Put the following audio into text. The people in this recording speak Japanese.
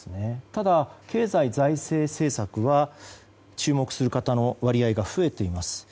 ただ、経済・財政政策は注目する方の割合が増えています。